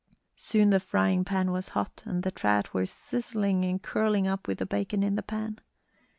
Soon the frying pan was hot, and the trout were sizzling and curling up with the bacon in the pan.